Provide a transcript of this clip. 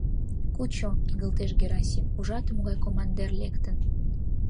— «Кучо...» — игылтеш Герасим, — ужат, могай командер лектын...